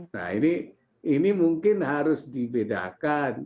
nah ini mungkin harus dibedakan